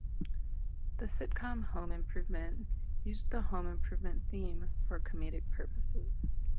The sitcom "Home Improvement" used the home improvement theme for comedic purposes.